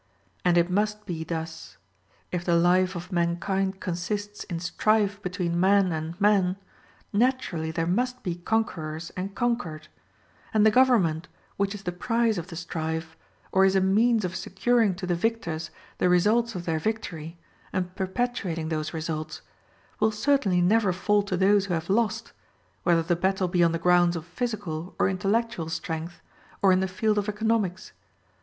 And it must be thus. If the life of mankind consists in strife between man and man, naturally there must be conquerors and conquered; and the government, which is the prize of the strife, or is a means of securing to the victors the results of their victory, and perpetuating those results, will certainly never fall to those who have lost, whether the battle be on the grounds of physical or intellectual strength, or in the field of economics.